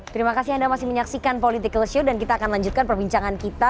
terima kasih anda masih menyaksikan political show dan kita akan lanjutkan perbincangan kita